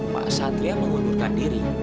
pak satria mengundurkan diri